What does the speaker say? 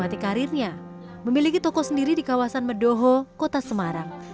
memiliki karirnya memiliki toko sendiri di medoho kota semarang